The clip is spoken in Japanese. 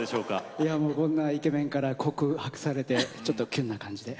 いやこんなイケメンから告白されてちょっとキュンな感じで。